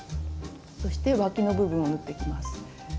そしてわきの部分を縫っていきます。